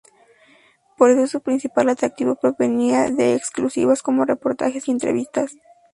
Por eso su principal atractivo provenía de exclusivas, como reportajes y entrevistas.